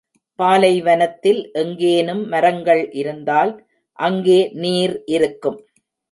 பாலைவனத்தில் எங்கேனும் மரங்கள் இருந்தால், அங்கே நீர் இருக்கும்.